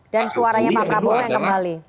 dan suaranya pak prabowo yang kembali